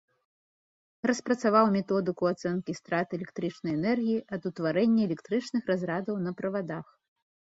Распрацаваў методыку ацэнкі страт электрычнай энергіі ад утварэння электрычных разрадаў на правадах.